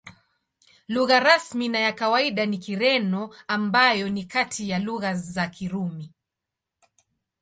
Lugha rasmi na ya kawaida ni Kireno, ambayo ni kati ya lugha za Kirumi.